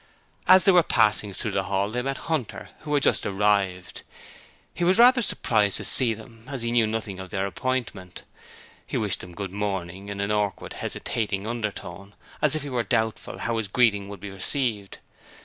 As they were passing through the hall they met Hunter, who had just arrived. He was rather surprised to see them, as he knew nothing of their appointment. He wished them 'Good morning' in an awkward hesitating undertone as if he were doubtful how his greeting would be received.